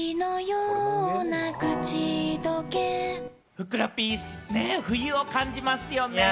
ふくらＰ、冬を感じますよね！